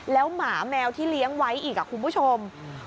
แล้วหมาแมวที่เลี้ยงไว้อีกคุณผู้ชม